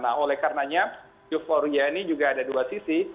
nah oleh karenanya euforia ini juga ada dua sisi